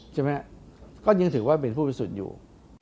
ใช่ไหมนะก็ยังถือว่าเป็นผู้พฤศุนย์อยู่